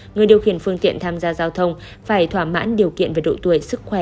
người điều khiển phương tiện tham gia giao thông phải thỏa mãn điều kiện về độ tuổi sức khỏe